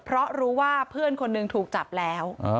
เพราะรู้ว่าเพื่อนคนหนึ่งถูกจับแล้ว